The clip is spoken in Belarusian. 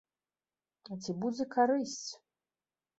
А ці будзе карысць?